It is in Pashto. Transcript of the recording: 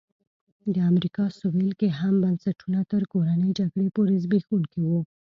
د امریکا سوېل کې هم بنسټونه تر کورنۍ جګړې پورې زبېښونکي وو.